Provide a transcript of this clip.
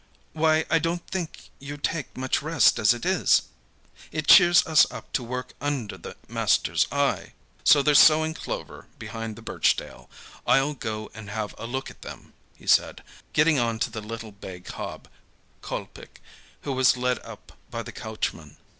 "Why, I don't think you take much rest as it is. It cheers us up to work under the master's eye...." "So they're sowing clover behind the Birch Dale? I'll go and have a look at them," he said, getting on to the little bay cob, Kolpik, who was led up by the coachman.